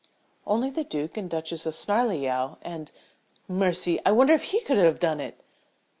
"Only the Duke and Duchess of Snarleyow and mercy! I wonder if he could have done it!"